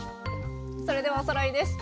それではおさらいです。